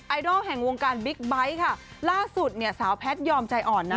ไอดอลแห่งวงการบิ๊กไบท์ค่ะล่าสุดเนี่ยสาวแพทยอมใจอ่อนนะ